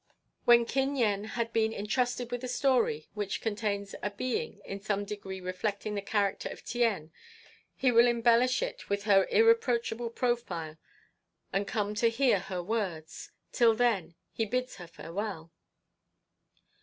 "When Kin Yen has been entrusted with a story which contains a being in some degree reflecting the character of Tien, he will embellish it with her irreproachable profile and come to hear her words. Till then he bids her farewell."